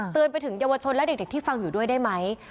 ไปถึงเยาวชนและเด็กที่ฟังอยู่ด้วยได้ไหม